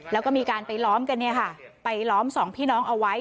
แล้วก็มีการไปล้อมกันเนี่ยค่ะไปล้อมสองพี่น้องเอาไว้